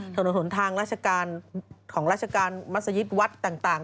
ถนนทนทางของราชการมัศยิบวัดต่าง